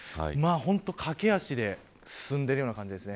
駆け足で進んでいるような感じです。